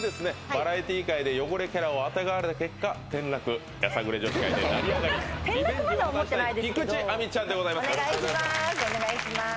バラエティー界で汚れキャラをあてがわれた結果転落やさぐれ女子界の成り上がり転落までは思ってないですけど菊地亜美ちゃんでございますお願いします